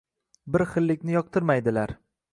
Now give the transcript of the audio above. va bir xillikni yoqtirmaydilar.